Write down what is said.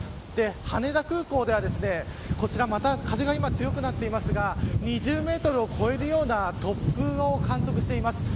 羽田空港では、こちらまた風が今強くなっていますが２０メートルを超えるような突風を観測しています。